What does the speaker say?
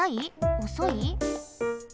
おそい？